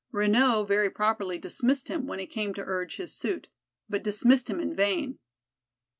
Renaud very properly dismissed him when he came to urge his suit, but dismissed him in vain.